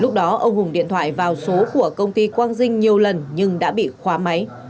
lúc đó ông hùng điện thoại vào số của công ty quang dinh nhiều lần nhưng đã bị khóa máy